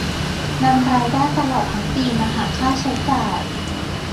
นำรายได้ตลอดทั้งปีมาหักค่าใช้จ่าย